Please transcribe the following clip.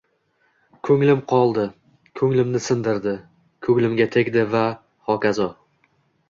Ko`nglim qoldi, ko`nglimni sindirdi, ko`nglimga tegdi vaho kazo